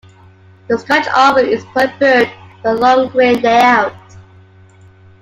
The scratch awl is preferred for long grain layout.